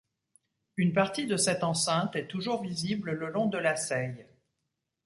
Une partie de cette enceinte est toujours visible le long de la Seille.